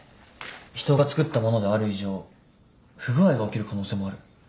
人が作ったものである以上不具合が起きる可能性もある。